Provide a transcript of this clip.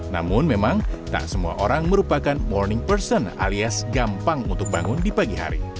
namun memang tak semua orang merupakan warning person alias gampang untuk bangun di pagi hari